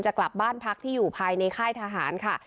กลับบ้านพักที่อยู่ภายในค่ายทหารค่ะ